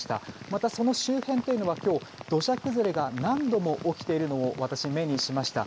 またその周辺というのは今日、土砂崩れが何度も起きているのを私、目にしました。